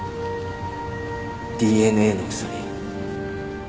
ＤＮＡの鎖